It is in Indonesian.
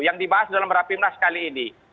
jadi kita bahas dalam rapimnas kali ini